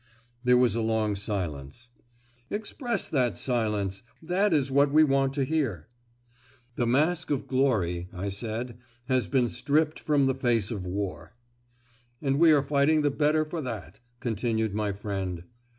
There was a long silence. "Express that silence; that is what we want to hear." "The mask of glory," I said, "has been stripped from the face of war." "And we are fighting the better for that," continued my friend.